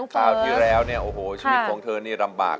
คราวที่แล้วชีวิตของเธอนี่ลำบาก